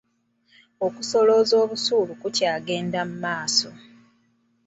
Okusolooza obusuulu kukyagenda mu maaso.